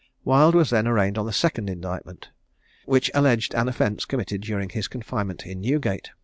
Wild was then arraigned on the second indictment, which alleged an offence committed during his confinement in Newgate.